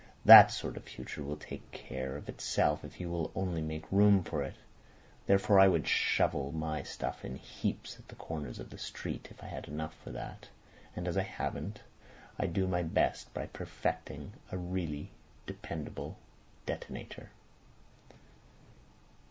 That sort of future will take care of itself if you will only make room for it. Therefore I would shovel my stuff in heaps at the corners of the streets if I had enough for that; and as I haven't, I do my best by perfecting a really dependable detonator."